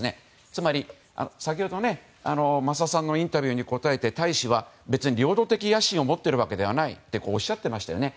つまり、先ほど増田さんのインタビューに答えた大使は別に領土的野心を持っているわけではないとおっしゃっていましたよね。